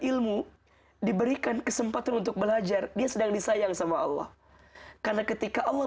ilmu diberikan kesempatan untuk belajar dia sedang disayang sama allah karena ketika allah